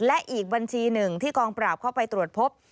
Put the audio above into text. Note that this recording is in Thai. และอีกบัญชีหนึ่งที่กองปราบเข้าไปตรวจพบ